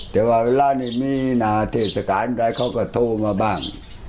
แต่ว่าเวลานี้มีหน้าเทศกาลใดเขาก็โทรมาบ้าง